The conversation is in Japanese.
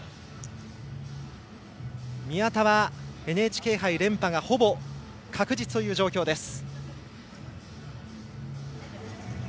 宮田はＮＨＫ杯連覇がほぼ確実という状況です。